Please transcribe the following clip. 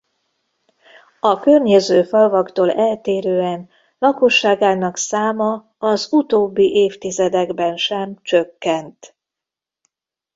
A környező falvaktól eltérően lakosságának száma az utóbbi évtizedekben sem csökkent.